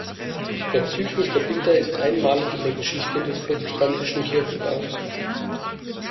Der Zyklus der Bilder ist einmalig in der Geschichte des protestantischen Kirchenbaues.